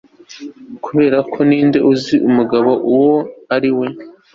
kuberako ninde uzi umugabo uwo ari we